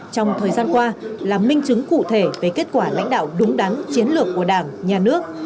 trong thời gian qua là minh chứng cụ thể về kết quả lãnh đạo đúng đắn chiến lược của đảng nhà nước